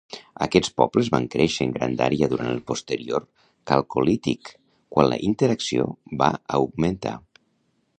Aquests pobles van créixer en grandària durant el posterior calcolític, quan la interacció va augmentar.